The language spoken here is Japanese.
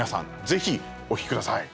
ぜひお聞きください。